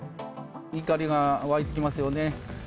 怒りがわいてきますよね。